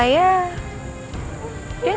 dia gak punya pacar